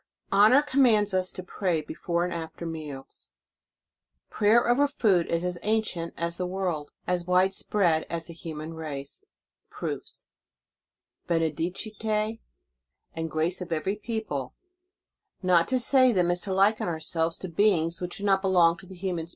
HONOR COMMANDS US TO PRAY BEFORE AND AFTER MEALS PRATER OVER FOOD IS AS ANCIENT AS THE WORLD, AS WIDE SPREAD AS THE HUMAN RACE PROOFS: Benedicite AND Grace OF EVERY PEOPLE NOT TO SAY THEM, IS TO LIKEN OURSELVES TO BEINGS WHICH DO KOT BELONG TO THE HUMAN